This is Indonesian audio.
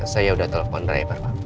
saya sudah telepon driver pak